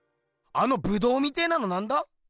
あのブドウみてえなのなんだ？